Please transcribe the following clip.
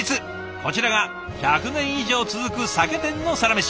こちらが１００年以上続く酒店のサラメシ。